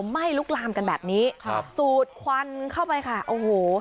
ไหม้ลุกลามกันแบบนี้ครับสูดควันเข้าไปค่ะโอ้โห